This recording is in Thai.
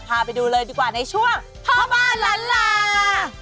พาไปดูเลยดีกว่าในช่วงพ่อบ้านล้านลา